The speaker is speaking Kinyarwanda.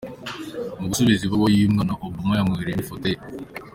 Mu gusubiza ibaruwa y’uyu mwana, Obama yamwohererje n’ifoto ye.